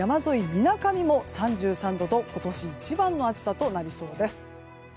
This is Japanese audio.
みなかみも３３度と今年一番の暑さとなりそうです。